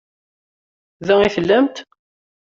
Da i tellamt?